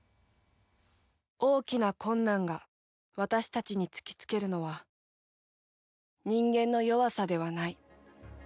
大きな困難が私たちに突きつけるのは人間の弱さではない。